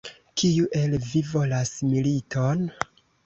Kiu el vi volas militon?